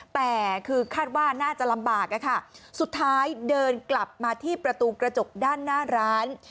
แต่คือคาดว่าน่าจะลำบากอะค่ะสุดท้ายเดินกลับมาที่ประตูกระจกด้านหน้าร้าน